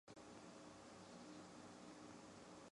大埔道于郝德杰道后通往琵琶山段。